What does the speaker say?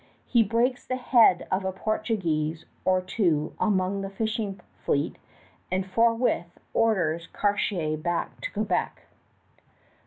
He breaks the head of a Portuguese or two among the fishing fleet and forthwith orders Cartier back to Quebec.